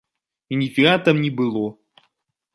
І ніфіга там не было.